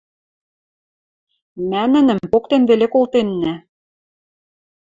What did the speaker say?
Мӓ нӹнӹм поктен веле колтеннӓ.